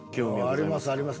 ありますあります。